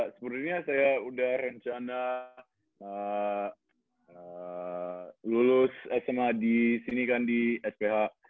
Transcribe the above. sebenarnya saya sudah rencana lulus sma di sini kan di sph